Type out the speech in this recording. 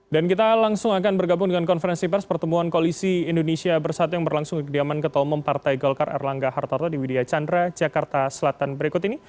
dan kita langsung akan bergabung dengan konferensi pers pertemuan koalisi indonesia bersatu yang berlangsung ke kediaman ketua umum partai golkar erlangga hartarto di widya chandra jakarta selatan berikut ini